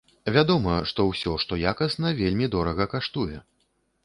Вядома, што ўсё, што якасна, вельмі дорага каштуе.